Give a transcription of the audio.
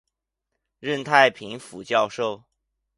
任太平府教授。